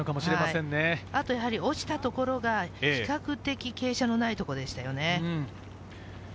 あと落ちたところが比較的傾斜のないところでしたね。